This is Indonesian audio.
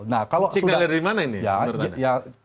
signal dari mana ini